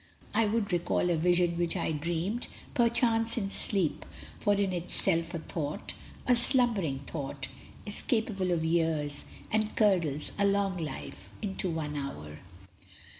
I would recall a vision which I dreamed Perchance in sleep for in itself a thought, A slumbering thought, is capable of years, And curdles a long life into one hour.